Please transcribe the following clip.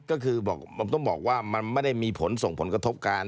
ก็คือบอกมันต้องบอกว่ามันไม่ได้มีผลส่งผลกระทบกัน